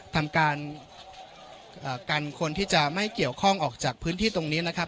ทำการกันคนที่จะไม่เกี่ยวข้องออกจากพื้นที่ตรงนี้นะครับ